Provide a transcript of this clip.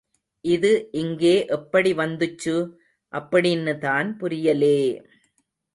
இது இங்கே எப்படி வந்துச்சு அப்படின்னுதான் புரியலே...!